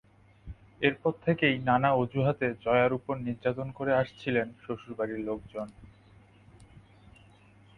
এরপর থেকেই নানা অজুহাতে জয়ার ওপর নির্যাতন করে আসছিলেন শ্বশুরবাড়ির লোকজন।